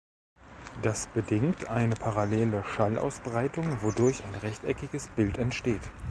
Das bedingt eine parallele Schallausbreitung, wodurch ein rechteckiges Bild entsteht.